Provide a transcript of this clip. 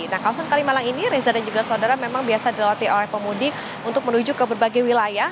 nah kawasan kalimalang ini reza dan juga saudara memang biasa dilawati oleh pemudik untuk menuju ke berbagai wilayah